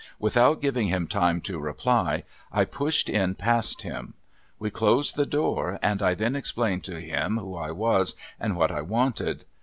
Without giving him time to reply I pushed in past him. We closed the door and I then explained to him who I was and what I wanted.